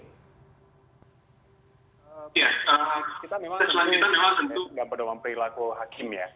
ya kita memang sudah mendapat doang perilaku hakim ya